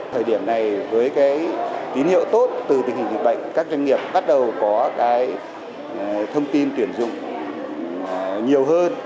thời điểm này với tín hiệu tốt từ tình hình dịch bệnh các doanh nghiệp bắt đầu có thông tin tuyển dụng nhiều hơn